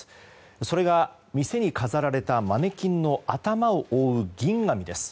それが、店に飾られたマネキンの頭を覆う銀紙です。